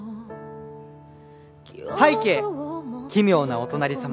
拝啓奇妙なお隣さま。